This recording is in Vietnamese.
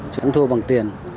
chẳng thua bằng tiền